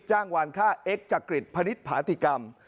จ้างวานค่าเอ็กจักริตพนิษฐาติกรรม